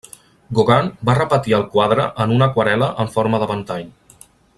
Gauguin va repetir el quadre en una aquarel·la en forma de ventall.